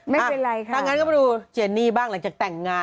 ไม่เป็นไรค่ะถ้างั้นก็มาดูเจนนี่บ้างหลังจากแต่งงาน